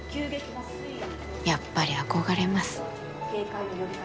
やっぱり憧れます。